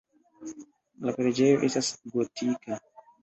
La preĝejo estas gotika.